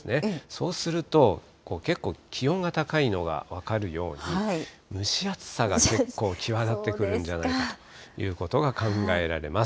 そうすると、結構、気温が高いのが分かるように、蒸し暑さが結構際立ってくるんじゃないかということが考えられます。